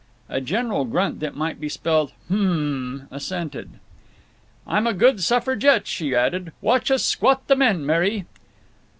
A general grunt that might be spelled "Hmmmmhm" assented. "I'm a good suffragette," she added. "Watch us squat the men, Mary."